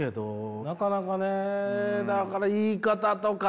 なかなかねだから言い方とか。